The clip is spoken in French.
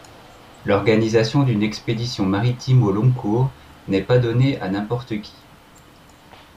L'organisation d'une expédition maritime au long cours n'est pas donnée à n'importe qui.